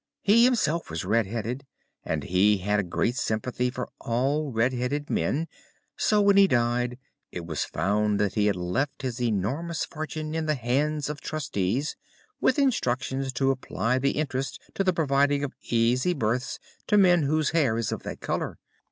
He was himself red headed, and he had a great sympathy for all red headed men; so, when he died, it was found that he had left his enormous fortune in the hands of trustees, with instructions to apply the interest to the providing of easy berths to men whose hair is of that colour.